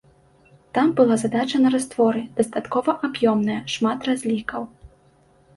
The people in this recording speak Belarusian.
Там была задача на растворы, дастаткова аб'ёмная, шмат разлікаў.